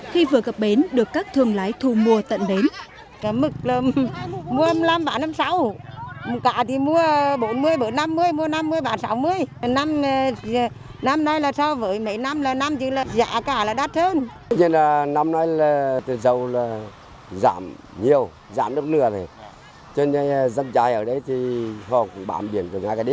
khi vừa cập bến được các thương lái thu mua tận đến